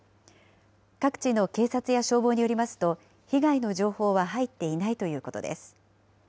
各地の警察や消防によりますと、被害の情報は入っていないということです。